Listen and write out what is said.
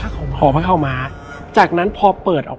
แล้วสักครั้งหนึ่งเขารู้สึกอึดอัดที่หน้าอก